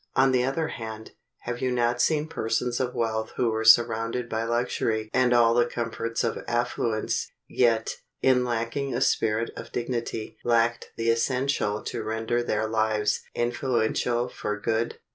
On the other hand, have you not seen persons of wealth who were surrounded by luxury and all the comforts of affluence, yet, in lacking a spirit of dignity, lacked the essential to render their lives influential for good?